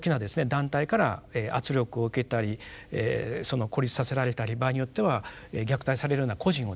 団体から圧力を受けたり孤立させられたり場合によっては虐待されるような個人をですね